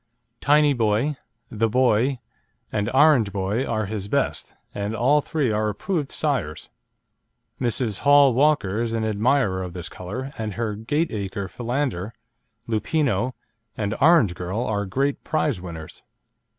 Tiny Boy, The Boy, and Orange Boy are his best, and all three are approved sires. Mrs. Hall Walker is an admirer of this colour, and her Gateacre Philander, Lupino, and Orange Girl are great prize winners.